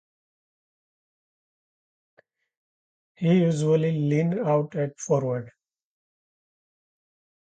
He usually lined out at forward.